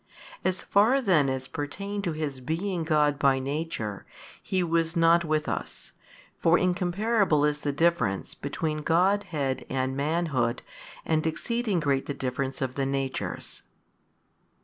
As far then as pertained to His being God by Nature, He was not with us; for incomparable is the difference between Godhead and manhood and exceeding great the difference of the natures.